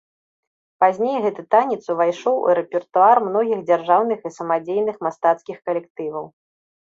Пазней гэты танец увайшоў у рэпертуар многіх дзяржаўных і самадзейных мастацкіх калектываў.